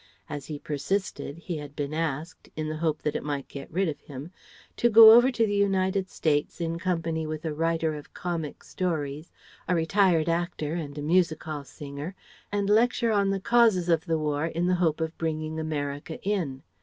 As he persisted, he had been asked in the hope that it might get rid of him to go over to the United States in company with a writer of comic stories, a retired actor and a music hall singer, and lecture on the causes of the War in the hope of bringing America in.